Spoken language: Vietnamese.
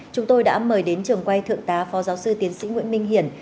chúng tôi đã mời đến trường quay thượng tá phó giáo sư tiến sĩ nguyễn minh hiển